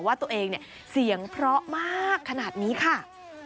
ว่าตัวเองเนี่ยเสียงเพราะมากขนาดนี้ค่ะ